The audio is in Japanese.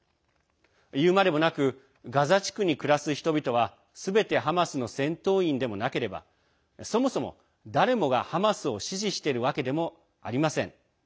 言うまでもなくガザ地区に暮らす人々はすべてハマスの戦闘員でもなければそもそも誰もがハマスを支持しているわけでもありません。